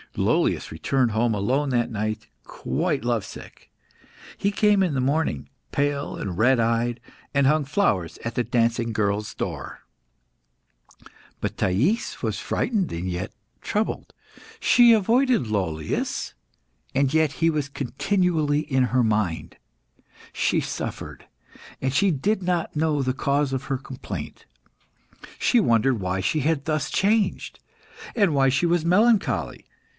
Lollius returned home alone that night, quite love sick. He came in the morning, pale and red eyed, and hung flowers at the dancing girl's door. But Thais was frightened and troubled; she avoided Lollius, and yet he was continually in her mind. She suffered, and she did not know the cause of her complaint. She wondered why she had thus changed, and why she was melancholy.